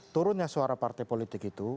turunnya suara partai politik itu